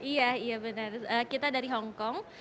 iya iya benar kita dari hong kong